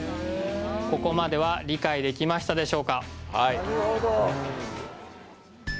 ここまでは理解できましたでしょうか？